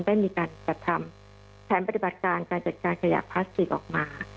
ได้มีการจัดทำแผนปฏิบัติการการจัดการขยะพลาสติกออกมา